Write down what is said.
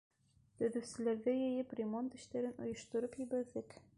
Төҙөүселәрҙе йыйып, ремонт эштәрен ойоштороп ебәрҙек.